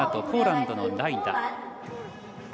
ポーランドのライダ。